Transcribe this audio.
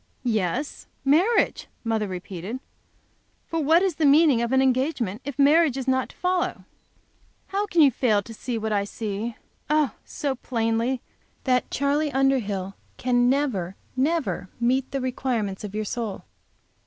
"Yes, marriage!" mother repeated. "For what is the meaning of an engagement if marriage is not to follow? How can you fail to see, what I see, oh! so plainly, that Charley Underhill can never, never meet the requirements of your soul.